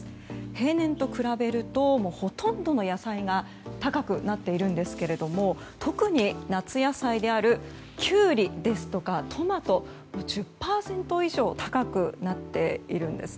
平年と比べるとほとんどの野菜が高くなっているんですけれども特に夏野菜であるキュウリですとかトマトは１０％以上高くなっているんです。